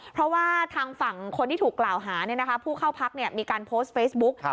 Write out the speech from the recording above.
เพราะว่าทางฝั่งคนที่ถูกกล่าวหาผู้เข้าพักมีการโพสต์เฟซบุ๊ก